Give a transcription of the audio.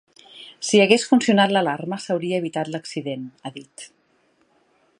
“Si hagués funcionat l’alarma, s’hauria evitat l’accident”, ha dit.